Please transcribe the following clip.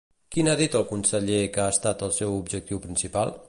Quin ha dit el conseller que ha estat el seu objectiu principal?